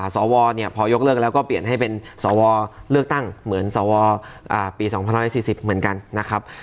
สวเนี่ยพอยกเลิกแล้วก็เปลี่ยนให้เป็นสวเลือกตั้งเหมือนสวปี๒๑๔๐เหมือนกันนะครับ